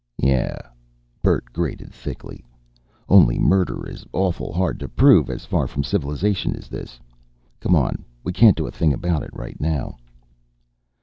"Yeah," Bert grated thickly. "Only murder is awful hard to prove as far from civilization as this. Come on, we can't do a thing about it right now."